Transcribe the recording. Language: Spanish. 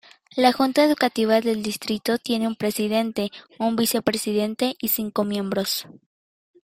La junta educativa del distrito tiene un presidente, un vicepresidente, y cinco miembros.